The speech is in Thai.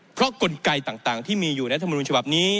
เพราะกลไกต่างที่มีอยู่รัฐมนุนฉบับนี้